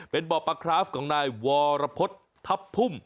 เป็นบ่อปลาคราฟของนายวรพฤษทัพพุ่ม